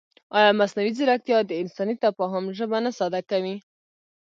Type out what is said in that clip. ایا مصنوعي ځیرکتیا د انساني تفاهم ژبه نه ساده کوي؟